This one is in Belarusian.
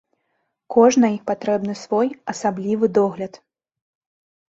Кожнай патрэбны свой асаблівы догляд.